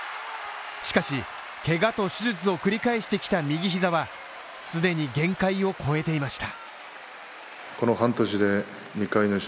しかし、怪我と手術を繰り返してきた右膝は既に限界を超えていました。